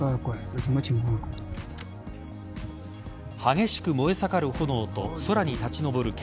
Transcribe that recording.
激しく燃え盛る炎と空に立ち上る煙。